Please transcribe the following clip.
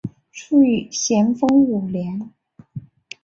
卒于咸丰五年。